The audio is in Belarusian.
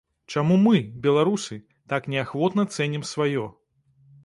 Чаму мы, беларусы, так неахвотна цэнім сваё?